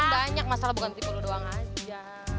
banyak masalah bukan tipu lo doang aja